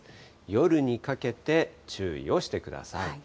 夜にかけて注意をしてください。